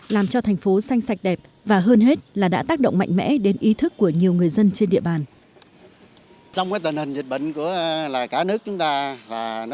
làm cho thành phố xanh sạch đẹp và hơn hết là đã tác động mạnh mẽ đến ý thức của nhiều người dân trên địa bàn